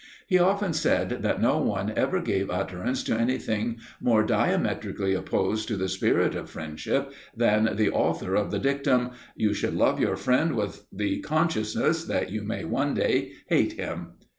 He often said that no one ever gave utterance to anything more diametrically opposed to the spirit of friendship than the author of the dictum, "You should love your friend with the consciousness that you may one day hate him."